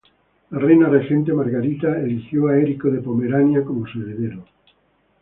La reina regente Margarita eligió a Erico de Pomerania como su heredero.